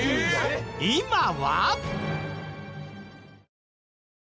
今は。